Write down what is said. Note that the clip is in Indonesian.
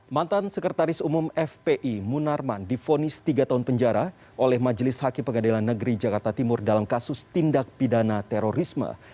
mantan sekretaris umum fpi munarman difonis tiga tahun penjara oleh majelis hakim pengadilan negeri jakarta timur dalam kasus tindak pidana terorisme